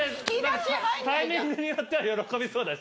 タイミングによっては喜びそうだし。